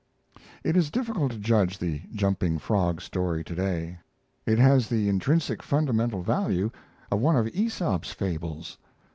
It is difficult to judge the jumping Frog story to day. It has the intrinsic fundamental value of one of AEsop's Fables.